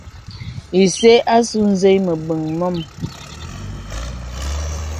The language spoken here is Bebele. Ìsə àsū zèì məbəŋ mɔ̄ŋ.